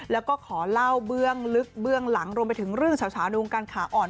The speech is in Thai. แล้วก็ขอเล่าเบื้องลึกเบื้องหลังรวมไปถึงเรื่องเฉาในวงการขาอ่อน